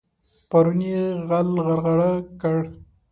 پرون يې غل غرغړه کړ.